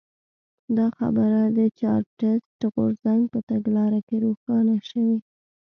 دا خبره د چارټېست غورځنګ په تګلاره کې روښانه شوې.